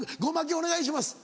お願いします。